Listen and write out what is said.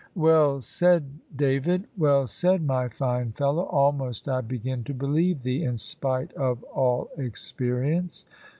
"Well said, David! well said, my fine fellow! Almost I begin to believe thee, in spite of all experience.